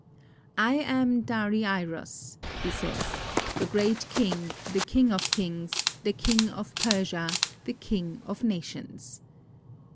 "I am Darieiros," he says, "the great king, the king of kings, the king of Persia, the king of nations."